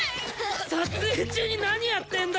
撮影中に何やってんだ！